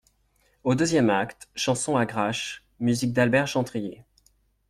Au deuxième acte, chanson agrache, musique d’Albert Chantrier.